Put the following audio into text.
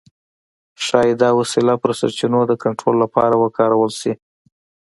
ښايي دا وسیله پر سرچینو د کنټرول لپاره وکارول شي.